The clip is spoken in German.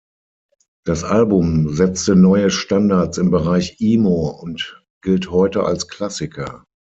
Das Album setzte neue Standards im Bereich Emo und gilt heute als Klassiker.